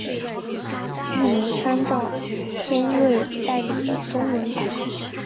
译名参照尖端代理的中文版。